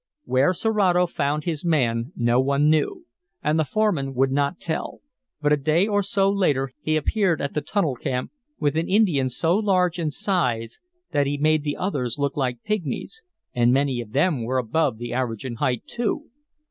Where Serato found his man, no one knew, and the foreman would not tell; but a day or so later he appeared at the tunnel camp with an Indian so large in size that he made the others look like pygmies, and many of them were above the average in height, too.